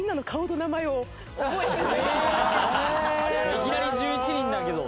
いきなり１１人だけど。